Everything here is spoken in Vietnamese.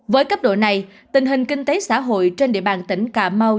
với cấp độ này tình hình kinh tế xã hội trên địa bàn tỉnh cà mau